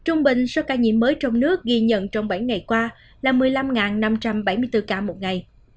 trung bình số ca nhiễm mới trong nước ghi nhận trong bảy ngày qua là một mươi năm năm trăm bảy mươi bốn ca một ngày